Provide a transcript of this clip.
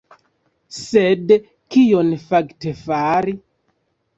Sed kion fakte fari?